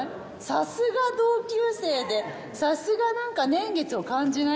さすが同級生でさすが何か年月を感じない？